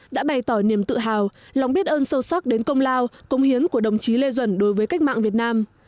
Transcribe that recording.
đã bày tỏ niềm tự hào lòng biết ơn sâu sắc đến công lao công hiến của đồng chí lê duẩn đối với cách mạng việt nam